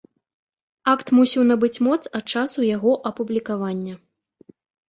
Акт мусіў набыць моц ад часу яго апублікавання.